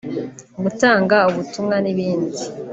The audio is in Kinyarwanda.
gutanga ubutumwa n’ibindi